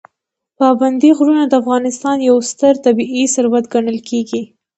پابندي غرونه د افغانستان یو ستر طبعي ثروت ګڼل کېږي.